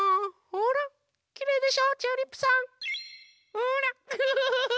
ほらウフフフフ！